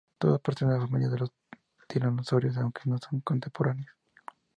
Todos pertenecen a la familia de los tiranosáuridos, aunque no son contemporáneos.